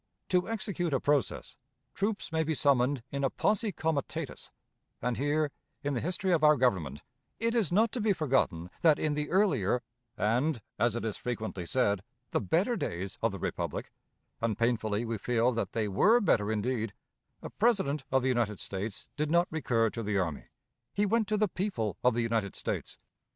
To execute a process, troops may be summoned in a posse comitatus; and here, in the history of our Government, it is not to be forgotten that in the earlier and, as it is frequently said, the better days of the republic and painfully we feel that they were better indeed a President of the United States did not recur to the army; he went to the people of the United States.